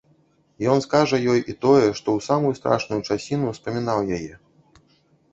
Ён скажа ёй і тое, што ў самую страшную часіну ўспамінаў яе.